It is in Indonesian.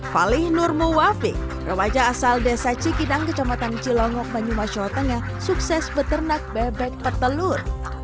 falih nurmu wafik remaja asal desa cikidang kecamatan cilongok banyumas jawa tengah sukses beternak bebek petelur